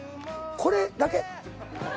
これだけ？